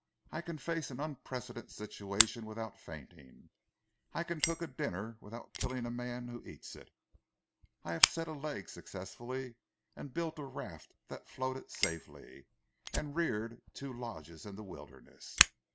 I can face an unprecedented situation without fainting. I can cook a dinner without killing a man who eats it. I have set a leg successfully, and built a raft that floated safely, and reared two lodges in the wilderness.